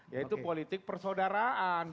yaitu politik persaudaraan